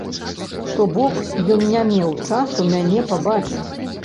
То бок, ён не меў часу мяне пабачыць.